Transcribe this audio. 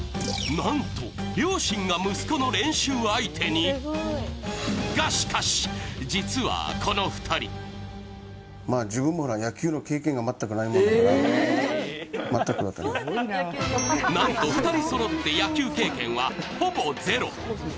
なんと、両親が息子の練習相手にが、しかし、実はこの２人なんと、２人そろって野球経験はほぼゼロ。